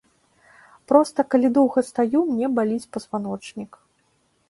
Проста, калі доўга стаю, мне баліць пазваночнік.